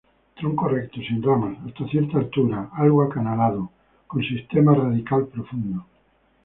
Tronco recto, sin ramas hasta cierta altura, algo acanalado, con sistema radical profundo.